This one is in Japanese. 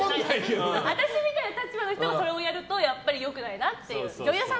私みたいな立場の人がそれをやるとやっぱりよくないなっていう。